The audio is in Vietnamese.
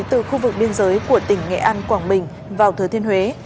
từ khu vực biên giới của tỉnh nghệ an quảng bình vào thừa thiên huế